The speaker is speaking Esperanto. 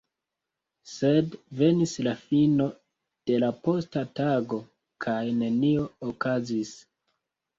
Sed venis la fino de la posta tago, kaj nenio okazis.